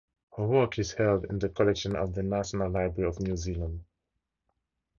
Her work is held in the collection of the National Library of New Zealand.